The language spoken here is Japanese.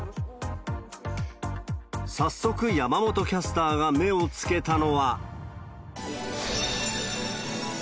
早速、山本キャスターが目をつけたのは。